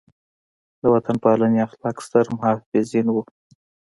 د وطن پالنې اخلاق ستر محافظین وو.